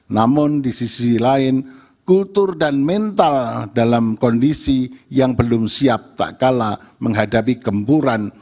namun di sisi lain kultur dan mental dalam kondisi yang belum siap tak kalah menghadapi gempuran